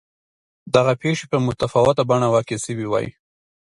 دغه پېښې په متفاوته بڼه واقع شوې وای.